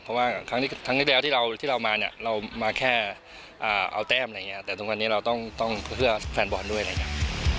เพราะว่าครั้งที่แล้วที่เรามาเนี่ยเรามาแค่เอาแต้มอะไรอย่างนี้แต่ทุกวันนี้เราต้องเพื่อแฟนบอลด้วยอะไรอย่างนี้